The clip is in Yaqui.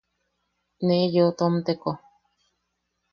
Ne yeu tomteko.